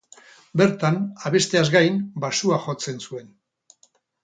Bertan, abesteaz gain, baxua jotzen zuen.